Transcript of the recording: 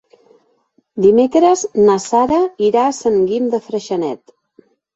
Dimecres na Sara irà a Sant Guim de Freixenet.